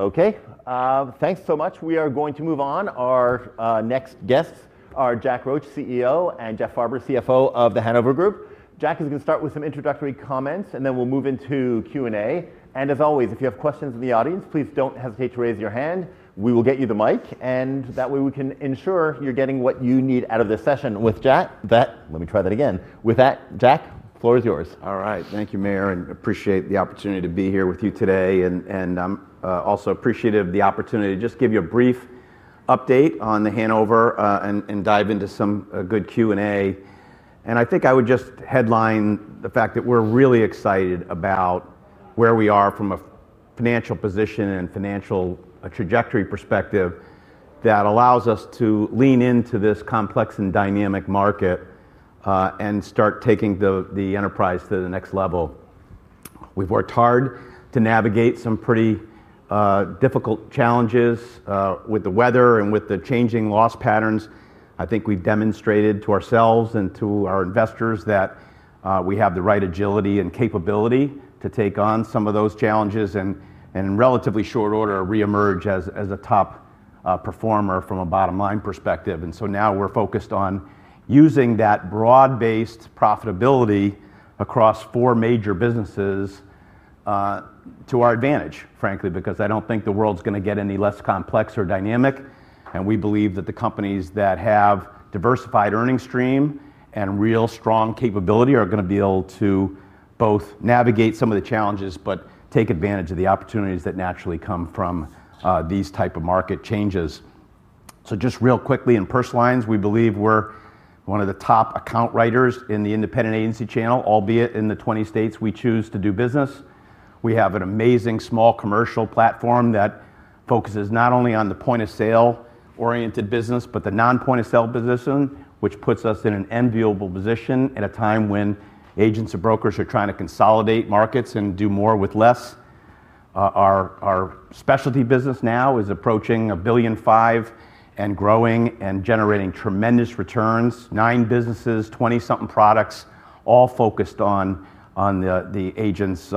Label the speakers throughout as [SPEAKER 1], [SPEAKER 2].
[SPEAKER 1] Okay, thanks so much. We are going to move on. Our next guests are Jack Roche, CEO, and Jeff Farber, CFO of the Hanover Group. Jack is going to start with some introductory comments, and then we'll move into Q&A. As always, if you have questions in the audience, please don't hesitate to raise your hand. We will get you the mic, and that way we can ensure you're getting what you need out of this session with Jack. Let me try that again. With that, Jack, the floor is yours.
[SPEAKER 2] All right. Thank you, Meyer, and appreciate the opportunity to be here with you today. I'm also appreciative of the opportunity to just give you a brief update on the Hanover, and dive into some good Q&A. And I think I would just headline the fact that we're really excited about where we are from a financial position and financial trajectory perspective that allows us to lean into this complex and dynamic market, and start taking the enterprise to the next level. We've worked hard to navigate some pretty difficult challenges with the weather and with the changing loss patterns. I think we've demonstrated to ourselves and to our investors that we have the right agility and capability to take on some of those challenges, and in relatively short order, reemerge as a top performer from a bottom-line perspective. So now, we're focused on using that broad-based profitability across four major businesses to our advantage, frankly, because I don't think the world's going to get any less complex or dynamic. We believe that the companies that have diversified earning stream and real strong capability are going to be able to both navigate some of the challenges but take advantage of the opportunities that naturally come from these type of market changes, so just real quickly, in personal lines, we believe we're one of the top account writers in the independent agency channel, albeit in the 20 states we choose to do business. We have an amazing small commercial platform that focuses not only on the point-of-sale-oriented business, but the non-point-of-sale position, which puts us in an enviable position at a time when agents or brokers are trying to consolidate markets and do more with less. Our specialty business now is approaching $1.5 billion and growing and generating tremendous returns. Nine businesses, 20-something products, all focused on the agents'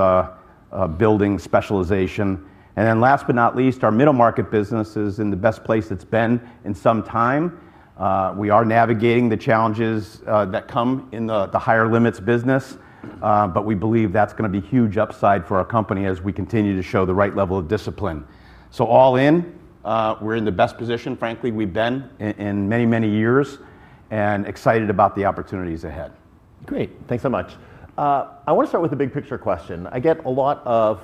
[SPEAKER 2] building specialization, and then last but not least, our middle market business is in the best place it's been in some time. We are navigating the challenges that come in the higher limits business, but we believe that's going to be huge upside for our company as we continue to show the right level of discipline. So all in, we're in the best position, frankly, we've been in, in many, many years, and excited about the opportunities ahead.
[SPEAKER 1] Great! Thanks so much. I want to start with the big picture question. I get a lot of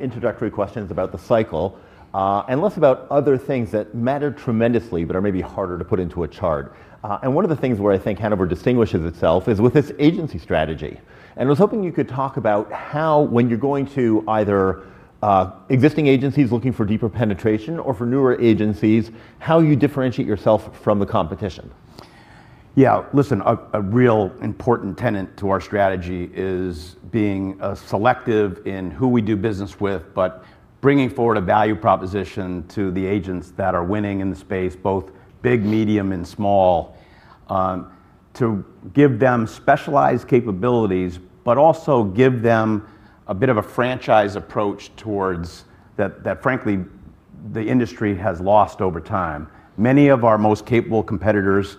[SPEAKER 1] introductory questions about the cycle, and less about other things that matter tremendously, but are maybe harder to put into a chart. And one of the things where I think Hanover distinguishes itself is with its agency strategy. I was hoping you could talk about how, when you're going to either, existing agencies looking for deeper penetration or for newer agencies, how you differentiate yourself from the competition.
[SPEAKER 2] Yeah. Listen, a real important tenet to our strategy is being selective in who we do business with, but bringing forward a value proposition to the agents that are winning in the space, both big, medium, and small, to give them specialized capabilities, but also give them a bit of a franchise approach towards that, frankly, the industry has lost over time. Many of our most capable competitors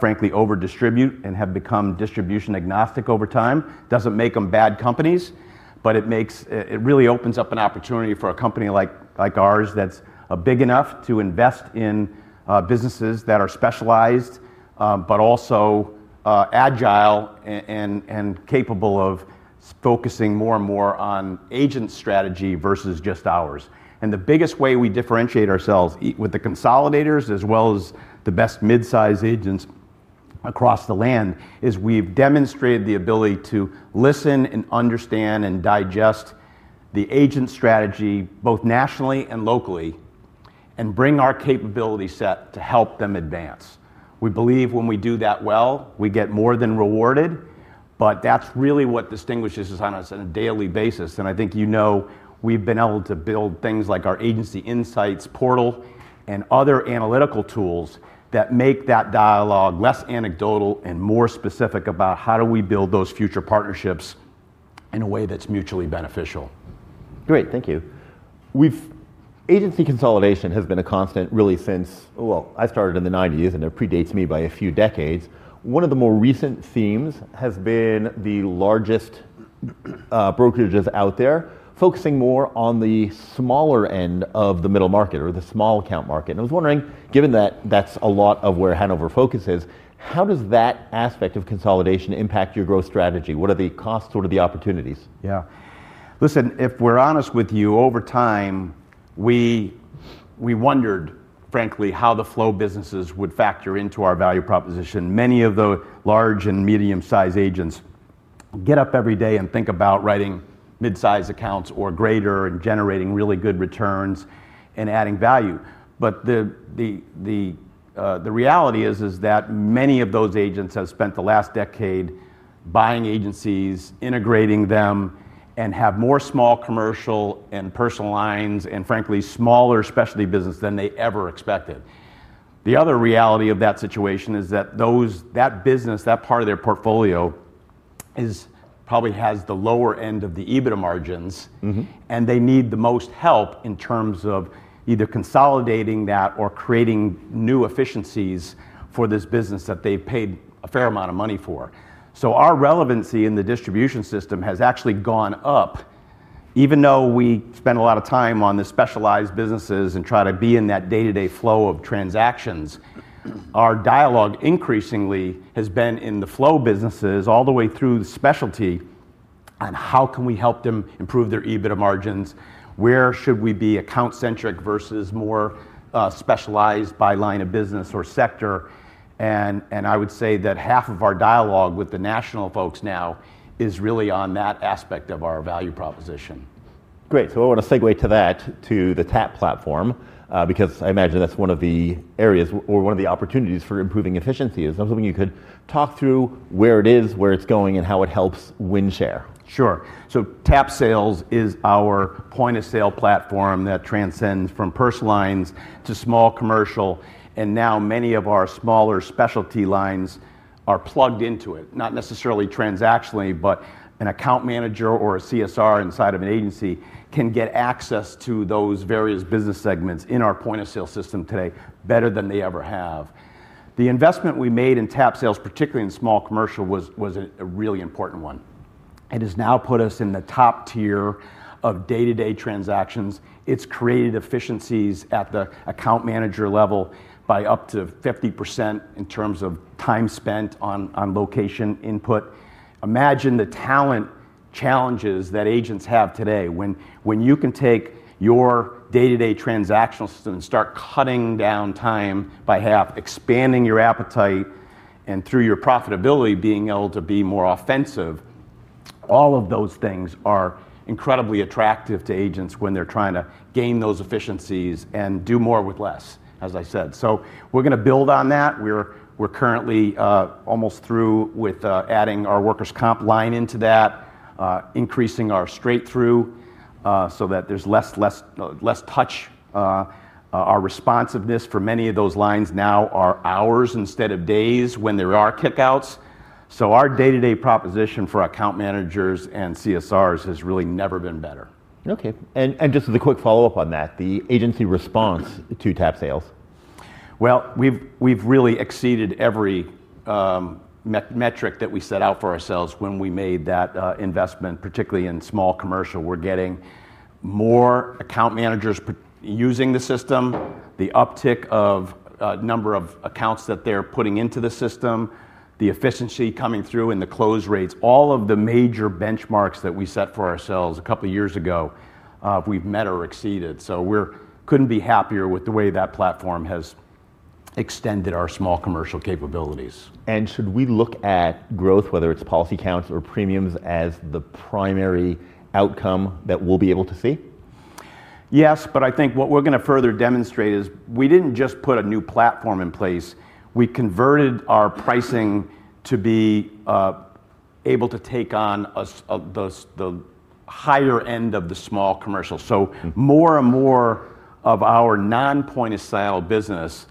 [SPEAKER 2] frankly over-distribute and have become distribution agnostic over time. Doesn't make them bad companies, but it makes it really opens up an opportunity for a company like ours, that's big enough to invest in businesses that are specialized, but also agile and capable of focusing more and more on agent strategy versus just ours. And the biggest way we differentiate ourselves with the consolidators, as well as the best mid-size agents across the land, is we've demonstrated the ability to listen and understand and digest the agent strategy, both nationally and locally, and bring our capability set to help them advance. We believe when we do that well, we get more than rewarded, but that's really what distinguishes us on a daily basis. And I think you know we've been able to build things like our Agency Insight portal and other analytical tools that make that dialogue less anecdotal and more specific about: How do we build those future partnerships in a way that's mutually beneficial?
[SPEAKER 1] Great. Thank you. Agency consolidation has been a constant, really, since well, I started in the 1990s, and it predates me by a few decades. One of the more recent themes has been the largest brokerages out there, focusing more on the smaller end of the middle market or the small account market. And I was wondering, given that that's a lot of where Hanover focuses, how does that aspect of consolidation impact your growth strategy? What are the costs? What are the opportunities?
[SPEAKER 2] Yeah. Listen, if we're honest with you, over time, we wondered, frankly, how the flow businesses would factor into our value proposition. Many of the large and medium-sized agents get up every day and think about writing mid-size accounts or greater and generating really good returns and adding value. But the reality is that many of those agents have spent the last decade buying agencies, integrating them, and have more small commercial and personal lines and, frankly, smaller specialty business than they ever expected. The other reality of that situation is that that business, that part of their portfolio, probably has the lower end of the EBITDA margins.
[SPEAKER 1] Mm-hmm.
[SPEAKER 2] And they need the most help in terms of either consolidating that or creating new efficiencies for this business that they've paid a fair amount of money for. So our relevancy in the distribution system has actually gone up. Even though we spend a lot of time on the specialized businesses and try to be in that day-to-day flow of transactions, our dialogue increasingly has been in the flow businesses all the way through the specialty, on how can we help them improve their EBITDA margins? Where should we be account-centric versus more, specialized by line of business or sector? And, and I would say that half of our dialogue with the national folks now is really on that aspect of our value proposition.
[SPEAKER 1] Great, so I want to segue to that, to the TAP platform, because I imagine that's one of the areas or one of the opportunities for improving efficiency. Is that something you could talk through, where it is, where it's going, and how it helps win share?
[SPEAKER 2] Sure, so TAP Sales is our point-of-sale platform that transcends from personal lines to small commercial, and now many of our smaller specialty lines are plugged into it. Not necessarily transactionally, but an account manager or a CSR inside of an agency can get access to those various business segments in our point-of-sale system today better than they ever have. The investment we made in TAP Sales, particularly in small commercial, was a really important one. It has now put us in the top tier of day-to-day transactions. It's created efficiencies at the account manager level by up to 50% in terms of time spent on location input. Imagine the talent challenges that agents have today. When you can take your day-to-day transactional system and start cutting down time by half, expanding your appetite, and through your profitability, being able to be more offensive, all of those things are incredibly attractive to agents when they're trying to gain those efficiencies and do more with less, as I said, so we're going to build on that. We're currently almost through with adding our workers' comp line into that, increasing our straight-through so that there's less touch. Our responsiveness for many of those lines now are hours instead of days when there are kick-outs, so our day-to-day proposition for account managers and CSRs has really never been better.
[SPEAKER 1] Okay, and just as a quick follow-up on that, the agency response to TAP Sales?
[SPEAKER 2] We've really exceeded every metric that we set out for ourselves when we made that investment, particularly in small commercial. We're getting more account managers using the system, the uptick of number of accounts that they're putting into the system, the efficiency coming through, and the close rates. All of the major benchmarks that we set for ourselves a couple of years ago, we've met or exceeded, so we're couldn't be happier with the way that platform has extended our small commercial capabilities.
[SPEAKER 1] Should we look at growth, whether it's policy counts or premiums, as the primary outcome that we'll be able to see?
[SPEAKER 2] Yes, but I think what we're going to further demonstrate is, we didn't just put a new platform in place. We converted our pricing to be able to take on the higher end of the small commercial. More and more of our non-point-of-sale business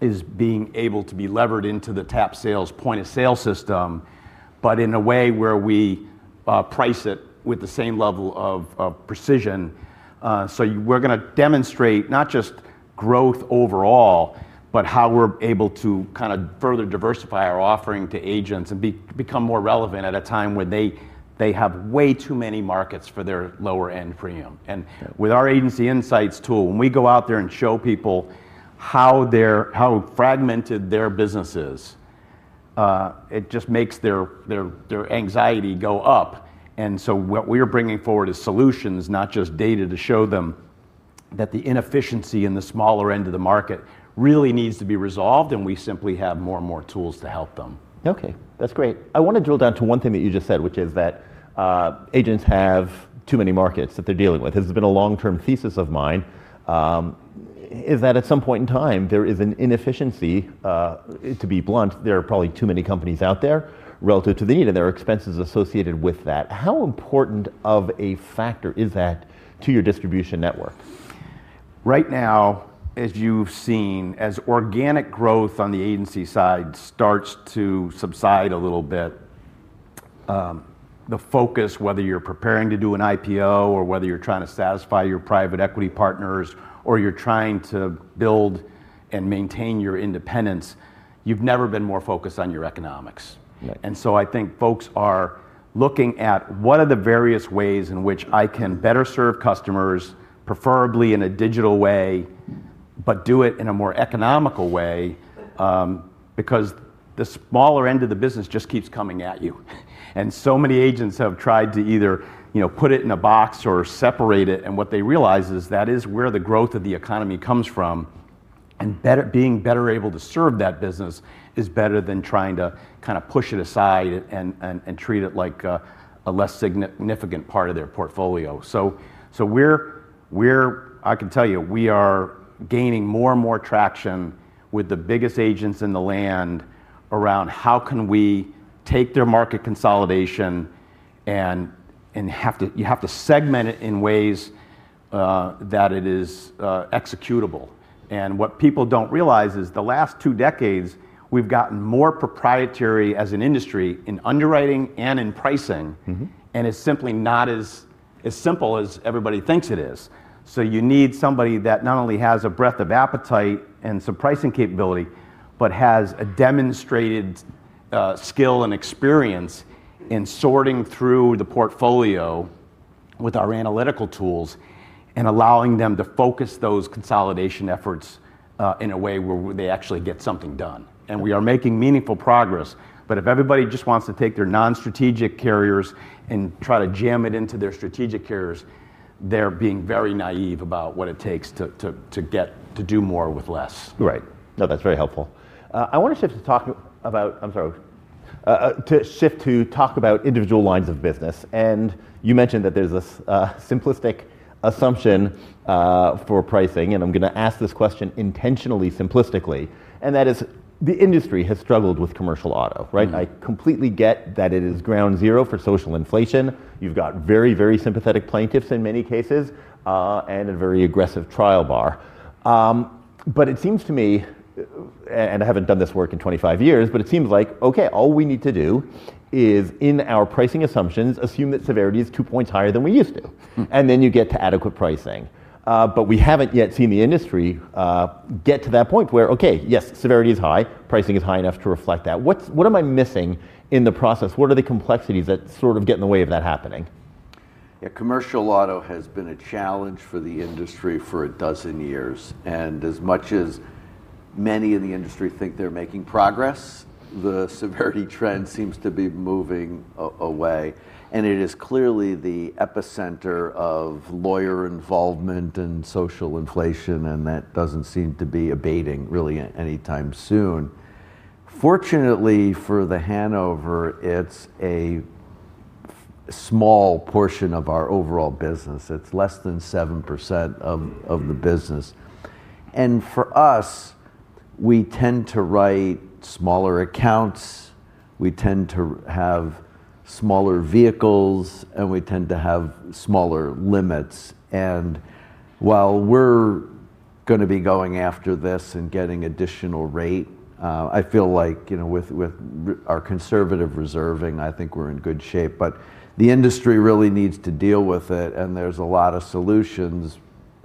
[SPEAKER 2] is being able to be levered into the TAP Sales point-of-sale system, but in a way where we price it with the same level of precision. We're going to demonstrate not just growth overall, but how we're able to kind of further diversify our offering to agents and become more relevant at a time when they have way too many markets for their lower-end premium. With our Agency Insight tool, when we go out there and show people how fragmented their business is, it just makes their anxiety go up. And so what we're bringing forward is solutions, not just data to show them that the inefficiency in the smaller end of the market really needs to be resolved, and we simply have more and more tools to help them.
[SPEAKER 1] Okay, that's great. I want to drill down to one thing that you just said, which is that agents have too many markets that they're dealing with. This has been a long-term thesis of mine is that at some point in time, there is an inefficiency. To be blunt, there are probably too many companies out there relative to the need, and there are expenses associated with that. How important of a factor is that to your distribution network?
[SPEAKER 2] Right now, as you've seen, as organic growth on the agency side starts to subside a little bit, the focus, whether you're preparing to do an IPO or whether you're trying to satisfy your private equity partners or you're trying to build and maintain your independence, you've never been more focused on your economics.
[SPEAKER 1] Right.
[SPEAKER 2] And so I think folks are looking at, "What are the various ways in which I can better serve customers, preferably in a digital way, but do it in a more economical way?" because the smaller end of the business just keeps coming at you. And so many agents have tried to either, you know, put it in a box or separate it, and what they realize is that is where the growth of the economy comes from, and being better able to serve that business is better than trying to kind of push it aside and treat it like a less significant part of their portfolio. So we're I can tell you, we are gaining more and more traction with the biggest agents in the land around: How can we take their market consolidation. You have to segment it in ways that it is executable. What people don't realize is the last two decades we've gotten more proprietary as an industry in underwriting and in pricing.
[SPEAKER 1] Mm-hmm.
[SPEAKER 2] It's simply not as simple as everybody thinks it is. So you need somebody that not only has a breadth of appetite and some pricing capability, but has a demonstrated skill and experience in sorting through the portfolio with our analytical tools, and allowing them to focus those consolidation efforts in a way where they actually get something done. And we are making meaningful progress, but if everybody just wants to take their non-strategic carriers and try to jam it into their strategic carriers, they're being very naive about what it takes to get to do more with less.
[SPEAKER 1] Right. No, that's very helpful. I want to shift to talk about... I'm sorry, to shift to talk about individual lines of business, and you mentioned that there's this simplistic assumption for pricing, and I'm gonna ask this question intentionally simplistically, and that is, the industry has struggled with commercial auto, right? I completely get that it is ground zero for social inflation. You've got very, very sympathetic plaintiffs in many cases, and a very aggressive trial bar. But it seems to me, and I haven't done this work in 25 years, but it seems like, okay, all we need to do is, in our pricing assumptions, assume that severity is two points higher than we used to and then you get to adequate pricing. But we haven't yet seen the industry get to that point where, okay, yes, severity is high, pricing is high enough to reflect that. What am I missing in the process? What are the complexities that sort of get in the way of that happening?
[SPEAKER 3] Yeah, commercial auto has been a challenge for the industry for a dozen years, and as much as many in the industry think they're making progress, the severity trend seems to be moving away, and it is clearly the epicenter of lawyer involvement and social inflation, and that doesn't seem to be abating really anytime soon. Fortunately, for The Hanover, it's a small portion of our overall business. It's less than 7% of the business. And for us, we tend to write smaller accounts, we tend to have smaller vehicles, and we tend to have smaller limits. While we're gonna be going after this and getting additional rate, I feel like, you know, with our conservative reserving, I think we're in good shape. But the industry really needs to deal with it, and there's a lot of solutions.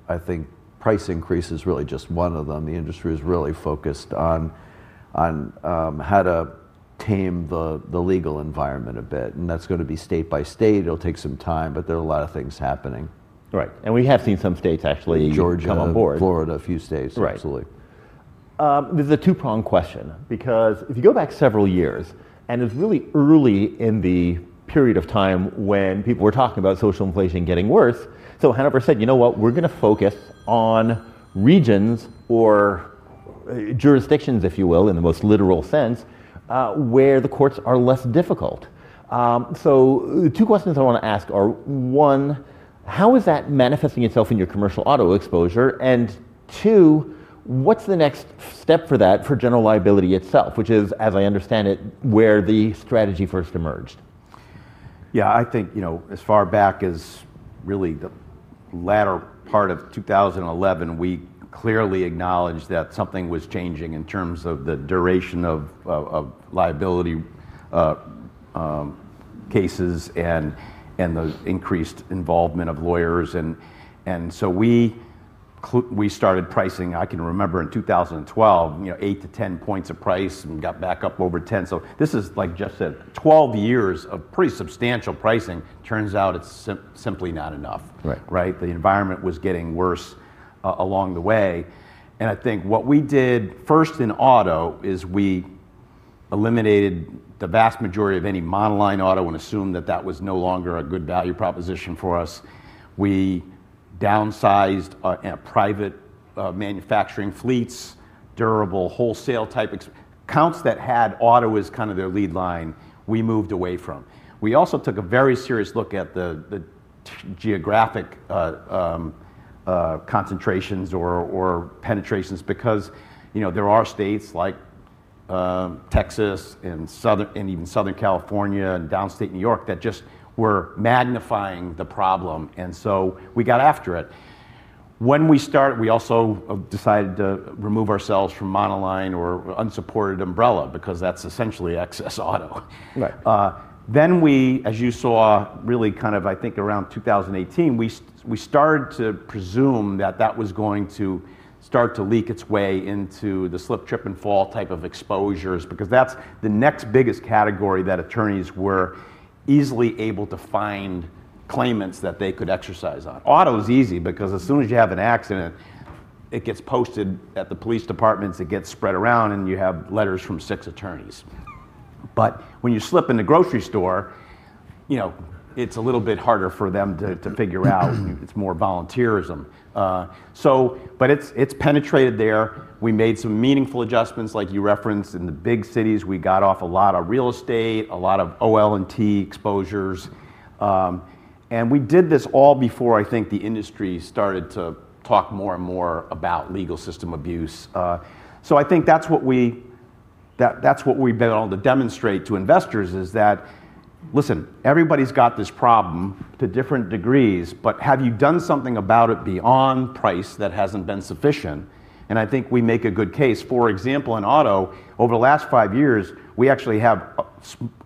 [SPEAKER 3] I think price increase is really just one of them. The industry is really focused on how to tame the legal environment a bit, and that's gonna be state by state. It'll take some time, but there are a lot of things happening.
[SPEAKER 1] Right, and we have seen some states actually.
[SPEAKER 3] Georgia.
[SPEAKER 1] Come on board.
[SPEAKER 3] Florida, a few states.
[SPEAKER 1] Right.
[SPEAKER 3] Absolutely.
[SPEAKER 1] This is a two-prong question, because if you go back several years, and it's really early in the period of time when people were talking about social inflation getting worse, so Hanover said, "You know what? We're gonna focus on regions or, jurisdictions," if you will, "where the courts are less difficult," so the two questions I want to ask are, one, how is that manifesting itself in your commercial auto exposure? And two, what's the next step for that for general liability itself, which is, as I understand it, where the strategy first emerged?
[SPEAKER 2] Yeah, I think, you know, as far back as really the latter part of 2011, we clearly acknowledged that something was changing in terms of the duration of liability cases and the increased involvement of lawyers. And so we started pricing. I can remember in 2012, you know, 8-10 points a price, and got back up over 10. So this is, like Jeff said, 12 years of pretty substantial pricing. Turns out it's simply not enough.
[SPEAKER 1] Right.
[SPEAKER 2] Right? The environment was getting worse along the way, and I think what we did first in auto is we eliminated the vast majority of any monoline auto and assumed that that was no longer a good value proposition for us. We downsized our private manufacturing fleets, durable wholesale-type accounts that had auto as kind of their lead line, we moved away from. We also took a very serious look at the geographic concentrations or penetrations, because, you know, there are states like Texas, Southern California, and even Downstate New York, that just were magnifying the problem. So we got after it. When we start, we also decided to remove ourselves from monoline or unsupported umbrella, because that's essentially excess auto.
[SPEAKER 1] Right.
[SPEAKER 2] Then we, as you saw, really kind of I think around 2018, we started to presume that that was going to start to leak its way into the slip, trip, and fall type of exposures. Because that's the next biggest category that attorneys were easily able to find claimants that they could exercise on. Auto is easy, because as soon as you have an accident, it gets posted at the police departments, it gets spread around, and you have letters from six attorneys. But when you slip in the grocery store, you know, it's a little bit harder for them to figure out. It's more volunteerism. So but it's penetrated there. We made some meaningful adjustments, like you referenced, in the big cities. We got off a lot of real estate, a lot of OL&T exposures. And we did this all before I think the industry started to talk more and more about legal system abuse. So I think that's what we've been able to demonstrate to investors is that, listen, everybody's got this problem to different degrees, but have you done something about it beyond price that hasn't been sufficient? And I think we make a good case. For example, in auto, over the last five years, we actually have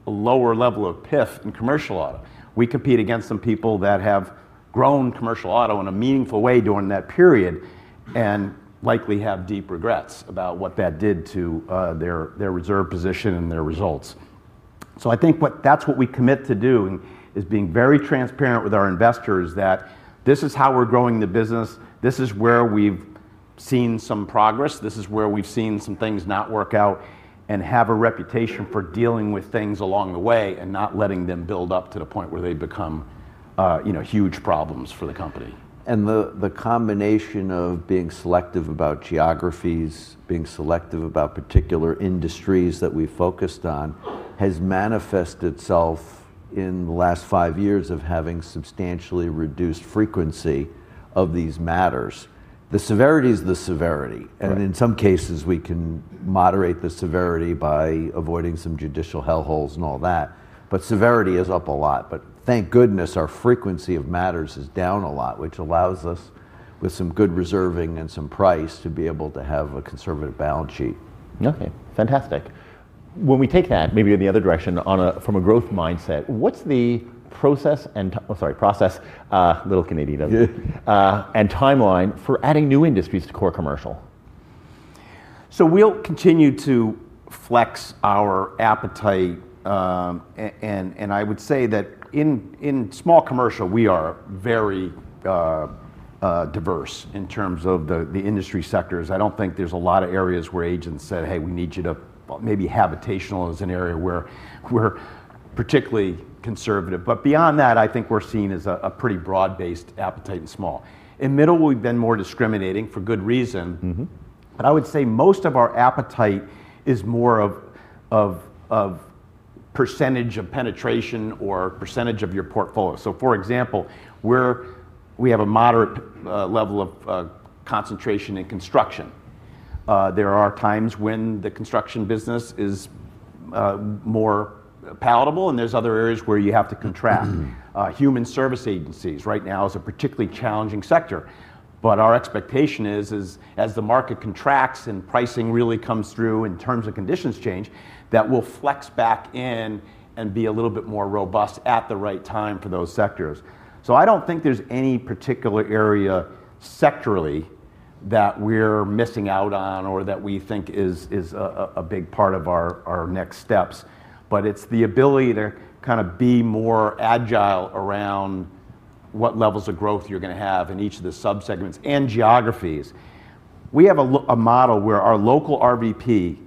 [SPEAKER 2] a lower level of PIF in commercial auto. We compete against some people that have grown commercial auto in a meaningful way during that period, and likely have deep regrets about what that did to their reserve position and their results. So I think that's what we commit to doing, is being very transparent with our investors, that this is how we're growing the business, this is where we've seen some progress, this is where we've seen some things not work out, and have a reputation for dealing with things along the way, and not letting them build up to the point where they become, you know, huge problems for the company.
[SPEAKER 3] The combination of being selective about geographies, being selective about particular industries that we've focused on, has manifested itself in the last five years of having substantially reduced frequency of these matters. The severity is the severity. In some cases, we can moderate the severity by avoiding some judicial hellholes and all that, but severity is up a lot. But thank goodness our frequency of matters is down a lot, which allows us, with some good reserving and some price, to be able to have a conservative balance sheet.
[SPEAKER 1] Okay, fantastic. When we take that maybe in the other direction, from a growth mindset, what's the process and oh, sorry, process, little Canadian of me, and timeline for adding new industries to core commercial?
[SPEAKER 2] So we'll continue to flex our appetite. And I would say that in small commercial, we are very diverse in terms of the industry sectors. I don't think there's a lot of areas where agents said, "Hey, we need you to..." Well, maybe habitational is an area where we're particularly conservative. But beyond that, I think we're seen as a pretty broad-based appetite in small. In middle, we've been more discriminating, for good reason.
[SPEAKER 1] Mm-hmm.
[SPEAKER 2] But I would say most of our appetite is more of percentage of penetration or percentage of your portfolio. So for example, we have a moderate level of concentration in construction. There are times when the construction business is more palatable, and there's other areas where you have to contract. Human service agencies right now is a particularly challenging sector, but our expectation is as the market contracts and pricing really comes through and terms and conditions change, that we'll flex back in and be a little bit more robust at the right time for those sectors. So I don't think there's any particular area sectorially that we're missing out on or that we think is a big part of our next steps, but it's the ability to kind of be more agile around what levels of growth you're gonna have in each of the subsegments and geographies. We have a model where our local RVP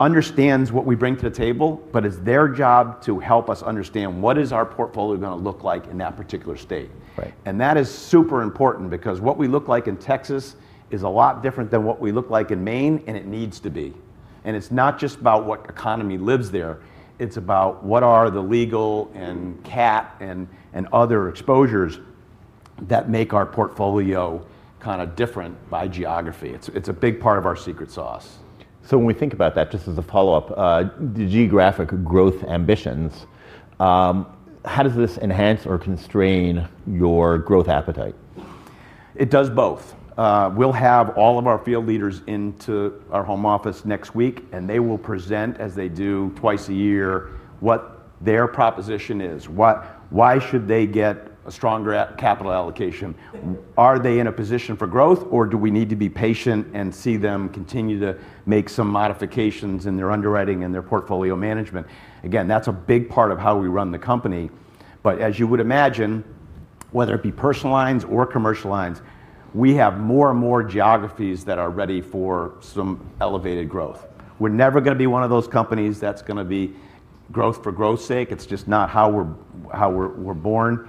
[SPEAKER 2] understands what we bring to the table, but it's their job to help us understand what is our portfolio gonna look like in that particular state.
[SPEAKER 1] Right.
[SPEAKER 2] And that is super important, because what we look like in Texas is a lot different than what we look like in Maine, and it needs to be. And it's not just about what economy lives there, it's about what are the legal and CAT, and other exposures that make our portfolio kind of different by geography. It's a big part of our secret sauce.
[SPEAKER 1] So when we think about that, just as a follow-up, the geographic growth ambitions, how does this enhance or constrain your growth appetite?
[SPEAKER 2] It does both. We'll have all of our field leaders into our home office next week, and they will present, as they do twice a year, what their proposition is. Why should they get a stronger capital allocation? Are they in a position for growth, or do we need to be patient and see them continue to make some modifications in their underwriting and their portfolio management? Again, that's a big part of how we run the company. But as you would imagine, whether it be personal lines or commercial lines, we have more and more geographies that are ready for some elevated growth. We're never gonna be one of those companies that's gonna be growth for growth's sake. It's just not how we're born.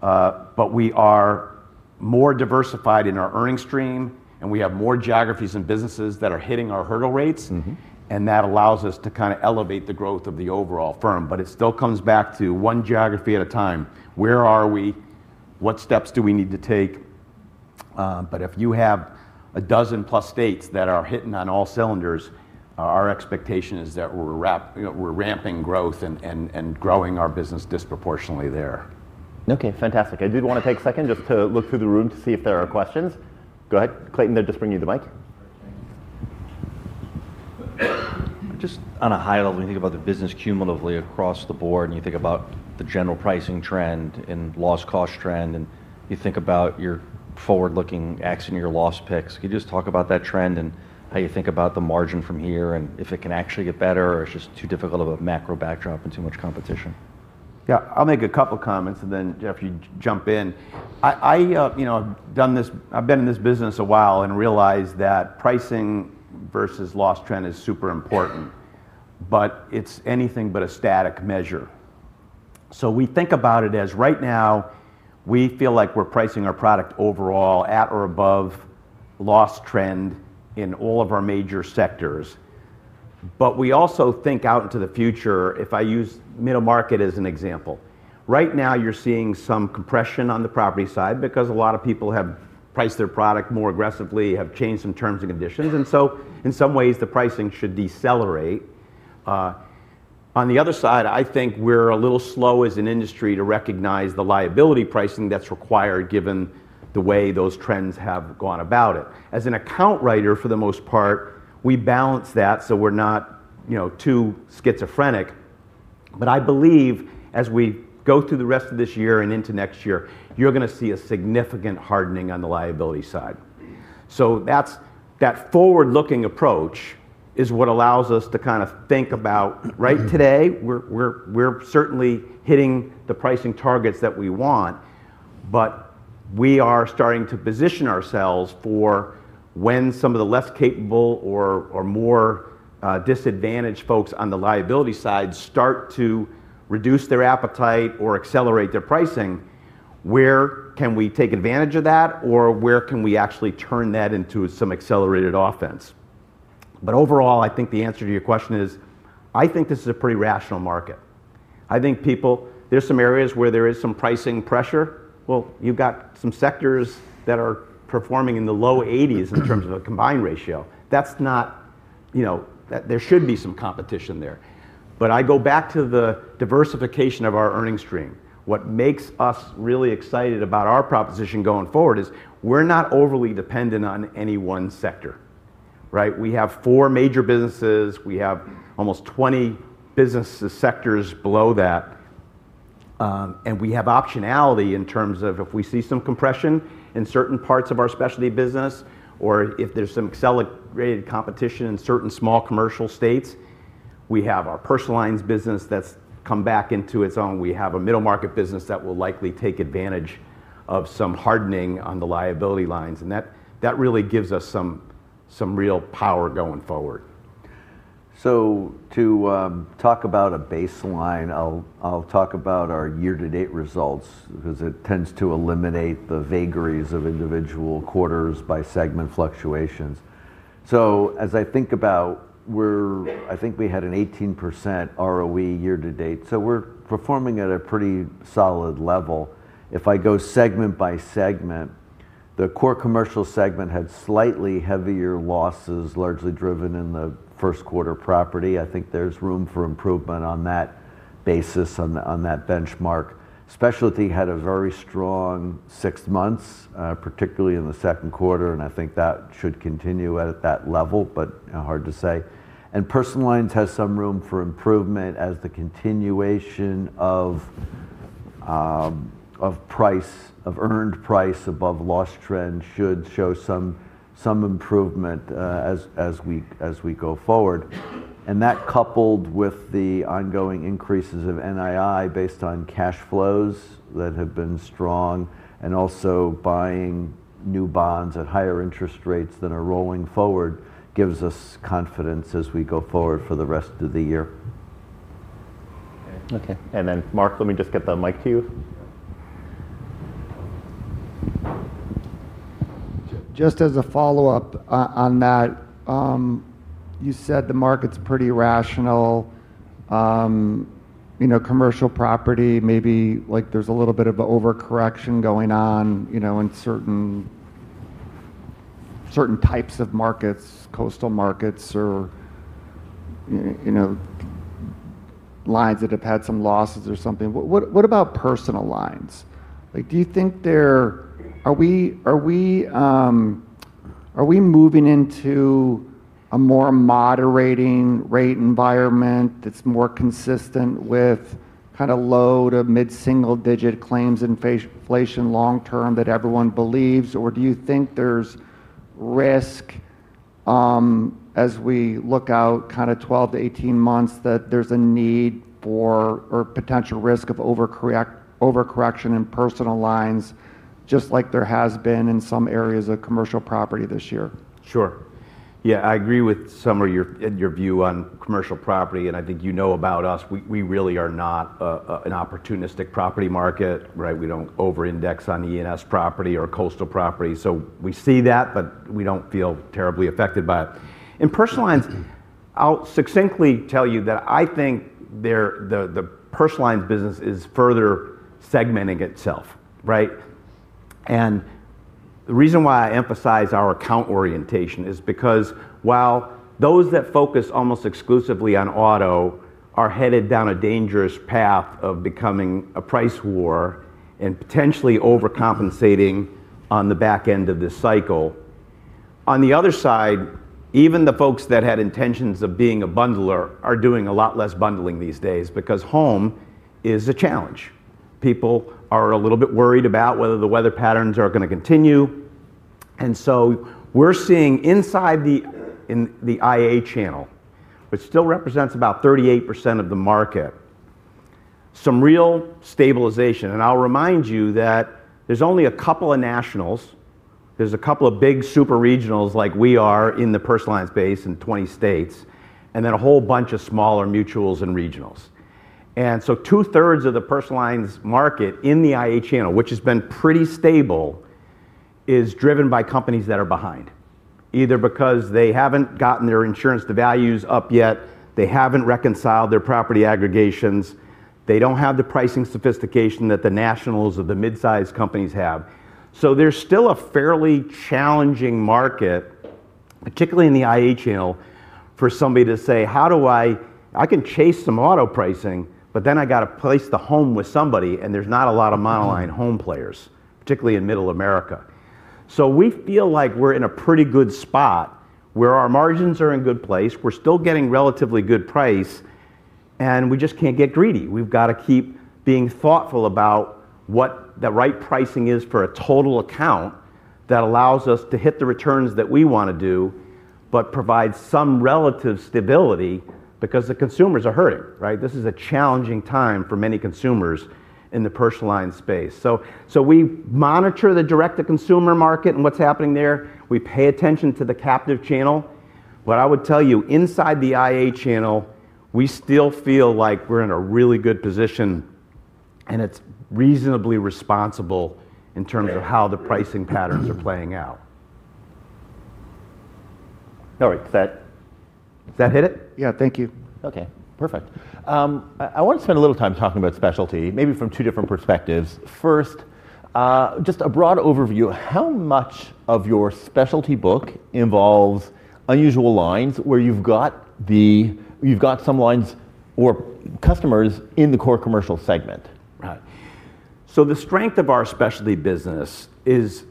[SPEAKER 2] But we are more diversified in our earning stream, and we have more geographies and businesses that are hitting our hurdle rates.
[SPEAKER 1] Mm-hmm
[SPEAKER 2] That allows us to kind of elevate the growth of the overall firm. But it still comes back to one geography at a time. Where are we? What steps do we need to take? But if you have a dozen-plus states that are hitting on all cylinders, our expectation is that we're, you know, ramping growth and growing our business disproportionately there.
[SPEAKER 1] Okay, fantastic. I did want to take a second just to look through the room to see if there are questions. Go ahead. Clayton, they'll just bring you the mic. Okay. Just on a high level, when you think about the business cumulatively across the board, and you think about the general pricing trend and loss cost trend, and you think about your forward-looking accident year loss picks, can you just talk about that trend and how you think about the margin from here, and if it can actually get better, or it's just too difficult of a macro backdrop and too much competition?
[SPEAKER 2] Yeah, I'll make a couple comments, and then, Jeff, you jump in. I, you know, I've done this. I've been in this business a while and realize that pricing versus loss trend is super important, but it's anything but a static measure. So we think about it as, right now, we feel like we're pricing our product overall at or above loss trend in all of our major sectors, but we also think out into the future. If I use middle market as an example. Right now you're seeing some compression on the property side because a lot of people have priced their product more aggressively, have changed some terms and conditions, and so in some ways the pricing should decelerate. On the other side, I think we're a little slow as an industry to recognize the liability pricing that's required, given the way those trends have gone about it. As an account writer, for the most part, we balance that so we're not, you know, too schizophrenic. But I believe as we go through the rest of this year and into next year, you're gonna see a significant hardening on the liability side. So that's that forward-looking approach is what allows us to kind of think about, right today, we're certainly hitting the pricing targets that we want, but we are starting to position ourselves for when some of the less capable or more disadvantaged folks on the liability side start to reduce their appetite or accelerate their pricing, where can we take advantage of that, or where can we actually turn that into some accelerated offense? But overall, I think the answer to your question is, I think this is a pretty rational market. I think people, there's some areas where there is some pricing pressure. Well, you've got some sectors that are performing in the low eighties in terms of a combined ratio. That's not, you know. There should be some competition there. But I go back to the diversification of our earning stream. What makes us really excited about our proposition going forward is we're not overly dependent on any one sector, right? We have four major businesses. We have almost 20 business sectors below that. And we have optionality in terms of if we see some compression in certain parts of our specialty business, or if there's some accelerated competition in certain small commercial states, we have our personal lines business that's come back into its own. We have a middle market business that will likely take advantage of some hardening on the liability lines, and that really gives us some real power going forward.
[SPEAKER 3] To talk about a baseline, I'll talk about our year-to-date results, because it tends to eliminate the vagaries of individual quarters by segment fluctuations. As I think about where I think we had an 18% ROE year to date, so we're performing at a pretty solid level. If I go segment by segment, the core commercial segment had slightly heavier losses, largely driven in the first quarter property. I think there's room for improvement on that basis, on that benchmark. Specialty had a very strong six months, particularly in the second quarter, and I think that should continue at that level, but hard to say. Personal lines has some room for improvement as the continuation of earned price above loss trend should show some improvement as we go forward. That, coupled with the ongoing increases of NII based on cash flows that have been strong, and also buying new bonds at higher interest rates that are rolling forward, gives us confidence as we go forward for the rest of the year. Okay.
[SPEAKER 1] And then, Mark, let me just get the mic to you.
[SPEAKER 4] Just as a follow-up on that, you said the market's pretty rational. You know, commercial property, maybe like there's a little bit of a overcorrection going on, you know, in certain types of markets, coastal markets or, you know, lines that have had some losses or something. What about personal lines? Like, do you think, are we moving into a more moderating rate environment that's more consistent with kind of low- to mid-single-digit claims inflation long term that everyone believes? Or do you think there's risk, as we look out kind of 12-18 months, that there's a need for or potential risk of overcorrection in personal lines, just like there has been in some areas of commercial property this year?
[SPEAKER 2] Sure. Yeah, I agree with some of your view on commercial property, and I think you know about us. We really are not an opportunistic property market, right? We don't over-index on E&S property or coastal property. So we see that, but we don't feel terribly affected by it. In personal lines, I'll succinctly tell you that I think they're the personal lines business is further segmenting itself, right? And the reason why I emphasize our account orientation is because while those that focus almost exclusively on auto are headed down a dangerous path of becoming a price war and potentially overcompensating on the back end of this cycle, on the other side, even the folks that had intentions of being a bundler are doing a lot less bundling these days because home is a challenge. People are a little bit worried about whether the weather patterns are gonna continue. And so we're seeing inside the IA channel, which still represents about 38% of the market, some real stabilization. And I'll remind you that there's only a couple of nationals. There's a couple of big super regionals, like we are, in the personal lines base in 20 states, and then a whole bunch of smaller mutuals and regionals. And so two-thirds of the personal lines market in the IA channel, which has been pretty stable, is driven by companies that are behind, either because they haven't gotten their insurance-to-values up yet, they haven't reconciled their property aggregations, they don't have the pricing sophistication that the nationals or the mid-sized companies have. So there's still a fairly challenging market, particularly in the IA channel, for somebody to say, "How do I- I can chase some auto pricing, but then I got to place the home with somebody," and there's not a lot of monoline home players, particularly in Middle America. So we feel like we're in a pretty good spot, where our margins are in a good place, we're still getting relatively good price, and we just can't get greedy. We've got to keep being thoughtful about what the right pricing is for a total account that allows us to hit the returns that we want to do, but provide some relative stability because the consumers are hurting, right? This is a challenging time for many consumers in the personal line space. So we monitor the direct-to-consumer market and what's happening there. We pay attention to the captive channel. What I would tell you, inside the IA channel, we still feel like we're in a really good position, and it's reasonably responsible in terms of how the pricing patterns are playing out. All right. Does that hit it?
[SPEAKER 4] Yeah. Thank you.
[SPEAKER 1] Okay, perfect. I want to spend a little time talking about specialty, maybe from two different perspectives. First, just a broad overview, how much of your specialty book involves unusual lines, where you've got some lines or customers in the core commercial segment?
[SPEAKER 2] Right. So the strength of our specialty business is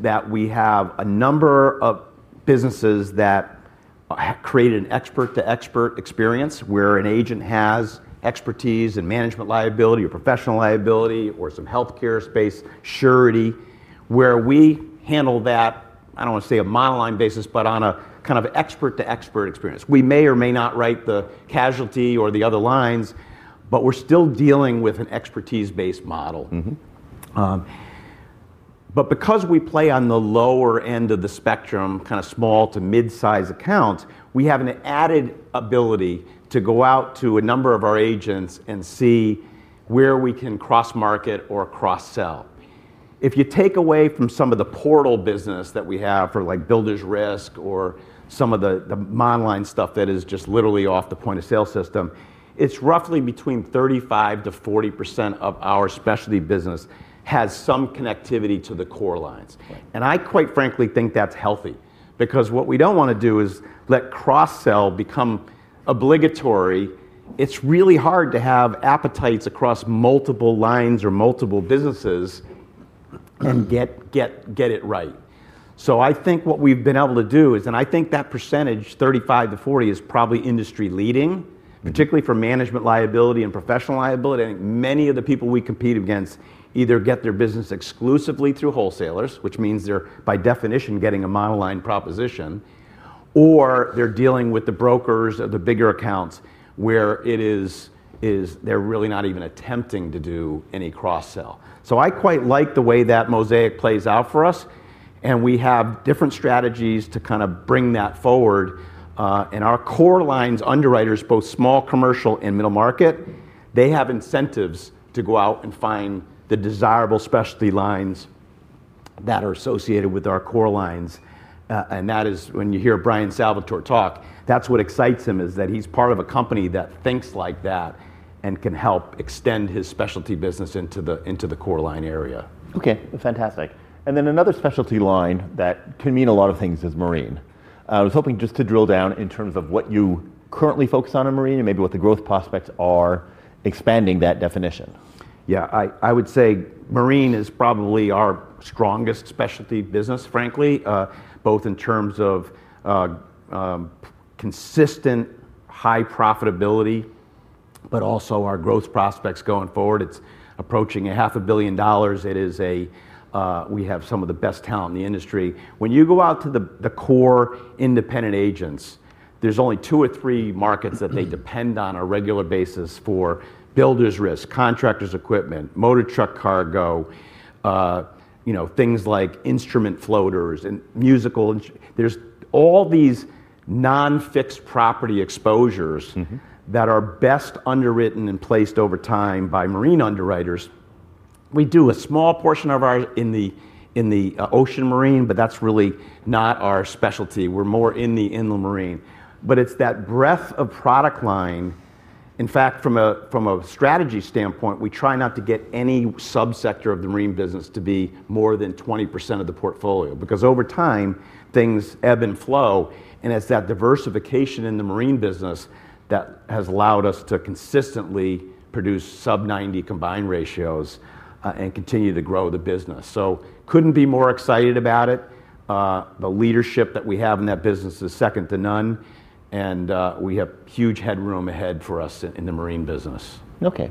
[SPEAKER 2] that we have a number of businesses that create an expert-to-expert experience, where an agent has expertise in management liability, or professional liability, or some healthcare space, surety, where we handle that, I don't want to say a monoline basis, but on a kind of expert-to-expert experience. We may or may not write the casualty or the other lines, but we're still dealing with an expertise-based model.
[SPEAKER 1] Mm-hmm.
[SPEAKER 2] But because we play on the lower end of the spectrum, kind of small to mid-size accounts, we have an added ability to go out to a number of our agents and see where we can cross-market or cross-sell. If you take away from some of the portal business that we have for, like, Builders risk or some of the monoline stuff that is just literally off the point of sale system, it's roughly between 35%-40% of our specialty business has some connectivity to the core lines. I quite frankly think that's healthy, because what we don't want to do is let cross-sell become obligatory. It's really hard to have appetites across multiple lines or multiple businesses and get it right. So I think what we've been able to do is, I think that percentage, 35%-40%, is probably industry leading particularly for management liability and professional liability. I think many of the people we compete against either get their business exclusively through wholesalers, which means they're, by definition, getting a monoline proposition, or they're dealing with the brokers of the bigger accounts, where it is they're really not even attempting to do any cross-sell. So I quite like the way that mosaic plays out for us, and we have different strategies to kind of bring that forward. And our core lines' underwriters, both small commercial and middle market, they have incentives to go out and find the desirable specialty lines that are associated with our core lines. And that is, when you hear Bryan Salvatore talk, that's what excites him, is that he's part of a company that thinks like that and can help extend his specialty business into the core line area.
[SPEAKER 1] Okay, fantastic. And then another specialty line that can mean a lot of things is marine. I was hoping just to drill down in terms of what you currently focus on in marine and maybe what the growth prospects are expanding that definition.
[SPEAKER 2] Yeah, I would say marine is probably our strongest specialty business, frankly, consistent high profitability, but also our growth prospects going forward. It's approaching $500 million. We have some of the best talent in the industry. When you go out to the core independent agents, there's only two or three markets that they depend on a regular basis for: builders risk, contractors equipment, motor truck cargo, you know, things like instrument floaters. There's all these non-fixed property exposures that are best underwritten and placed over time by marine underwriters. We do a small portion of ours in the ocean marine, but that's really not our specialty. We're more in the inland marine. But it's that breadth of product line, in fact, from a strategy standpoint, we try not to get any sub-sector of the marine business to be more than 20% of the portfolio, because over time, things ebb and flow, and it's that diversification in the marine business that has allowed us to consistently produce sub-90 combined ratios and continue to grow the business. So couldn't be more excited about it. The leadership that we have in that business is second to none, and we have huge headroom ahead for us in the marine business.
[SPEAKER 1] Okay.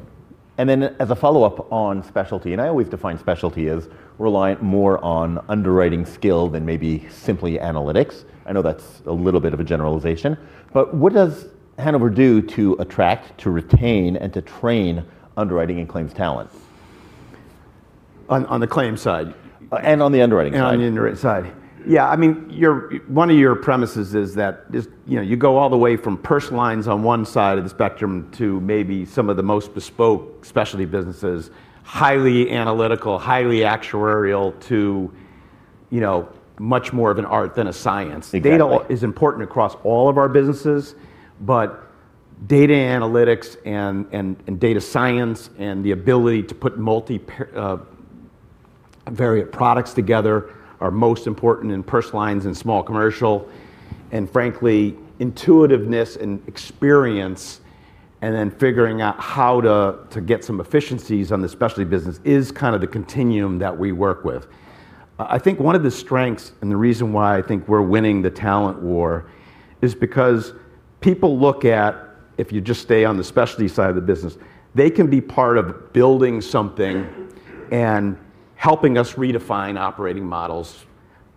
[SPEAKER 1] And then as a follow-up on specialty, and I always define specialty as reliant more on underwriting skill than maybe simply analytics. I know that's a little bit of a generalization, but what does Hanover do to attract, to retain, and to train underwriting and claims talent?
[SPEAKER 2] On the claims side?
[SPEAKER 1] And on the underwriting side.
[SPEAKER 2] On the underwriting side. Yeah, I mean, one of your premises is that this, you know, you go all the way from personal lines on one side of the spectrum to maybe some of the most bespoke specialty businesses, highly analytical, highly actuarial to you know, much more of an art than a science.
[SPEAKER 1] Exactly.
[SPEAKER 2] Data is important across all of our businesses, but data analytics and data science, and the ability to put multivariate products together are most important in personal lines and small commercial. Frankly, intuitiveness and experience, and then figuring out how to get some efficiencies on the specialty business is kind of the continuum that we work with. I think one of the strengths, and the reason why I think we're winning the talent war, is because people look at, if you just stay on the specialty side of the business, they can be part of building something and helping us redefine operating models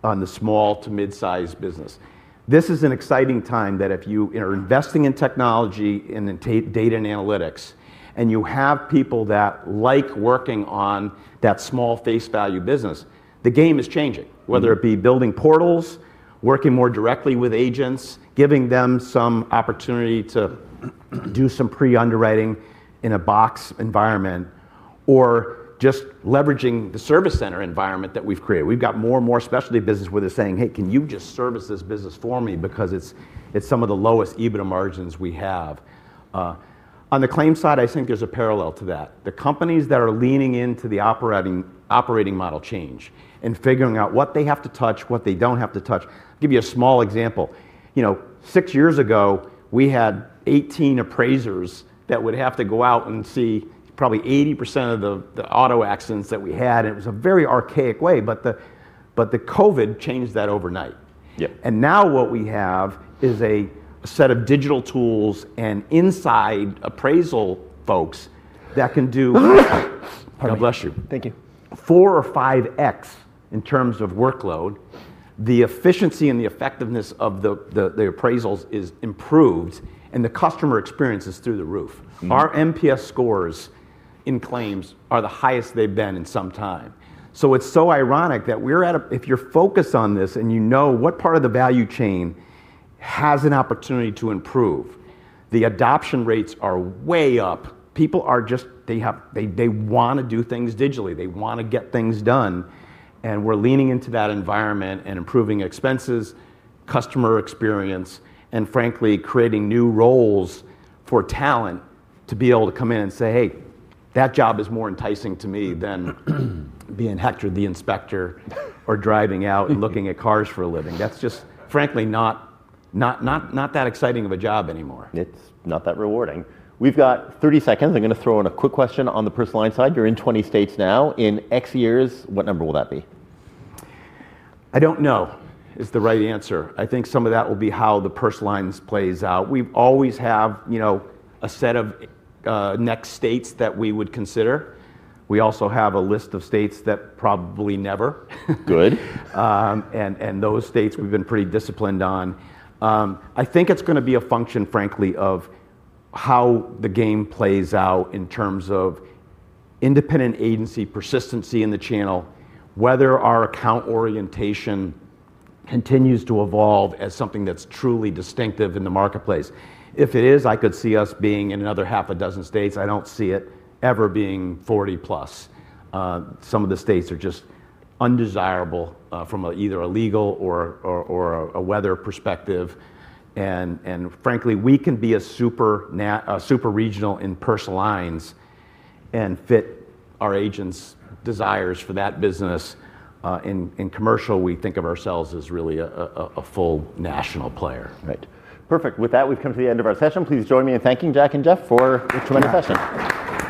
[SPEAKER 2] on the small to mid-size business. This is an exciting time, that if you are investing in technology, and in data and analytics, and you have people that like working on that small face value business, the game is changing. Whether it be building portals, working more directly with agents, giving them some opportunity to do some pre-underwriting in a box environment, or just leveraging the service center environment that we've created. We've got more and more specialty business where they're saying, "Hey, can you just service this business for me? Because it's some of the lowest EBITDA margins we have." On the claims side, I think there's a parallel to that. The companies that are leaning into the operating model change, and figuring out what they have to touch, what they don't have to touch. Give you a small example. You know, six years ago, we had 18 appraisers that would have to go out and see probably 80% of the auto accidents that we had, and it was a very archaic way, but the COVID changed that overnight.
[SPEAKER 1] Yeah.
[SPEAKER 2] And now what we have is a set of digital tools and inside appraisal folks that can do.
[SPEAKER 1] Pardon.
[SPEAKER 2] God bless you.
[SPEAKER 1] Thank you.
[SPEAKER 2] Four or five X, in terms of workload. The efficiency and the effectiveness of the appraisals is improved, and the customer experience is through the roof. Our NPS scores in claims are the highest they've been in some time. So it's so ironic that we're at a, if you're focused on this, and you know what part of the value chain has an opportunity to improve, the adoption rates are way up. People are just they have, they wanna do things digitally. They wanna get things done, and we're leaning into that environment and improving expenses, customer experience, and frankly, creating new roles for talent to be able to come in and say, "Hey, that job is more enticing to me than being Hector the inspector or driving out and looking at cars for a living." That's just, frankly, not that exciting of a job anymore.
[SPEAKER 1] It's not that rewarding. We've got 30 seconds. I'm gonna throw in a quick question on the personal line side. You're in 20 states now. In X years, what number will that be?
[SPEAKER 2] I don't know, is the right answer. I think some of that will be how the personal lines plays out. We always have, you know, a set of next states that we would consider. We also have a list of states that probably never.
[SPEAKER 1] Good.
[SPEAKER 2] And those states we've been pretty disciplined on. I think it's gonna be a function, frankly, of how the game plays out in terms of independent agency persistency in the channel, whether our account orientation continues to evolve as something that's truly distinctive in the marketplace. If it is, I could see us being in another half a dozen states. I don't see it ever being 40-plus. Some of the states are just undesirable from either a legal or a weather perspective, and frankly, we can be a super regional in personal lines and fit our agents' desires for that business. In commercial, we think of ourselves as really a full national player.
[SPEAKER 1] Right. Perfect. With that, we've come to the end of our session. Please join me in thanking Jack and Jeff for an excellent session.
[SPEAKER 2] Yeah.
[SPEAKER 1] Thank you.